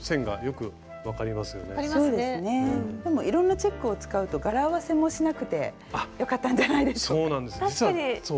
でもいろんなチェックを使うと柄合わせもしなくてよかったんじゃないでしょうか。